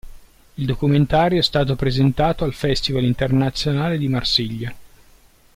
Il documentario è stato presentato al Festival internazionale di Marsiglia.